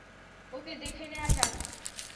ওকে দেখে নেয়া যাক।